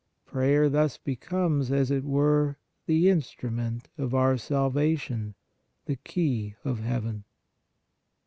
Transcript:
Prayer thus becomes, as it were, the instrument of our salvation, the key of Heaven.